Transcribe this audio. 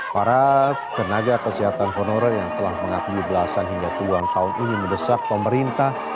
para tenaga kesehatan honorer yang telah mengabdi belasan hingga puluhan tahun ini mendesak pemerintah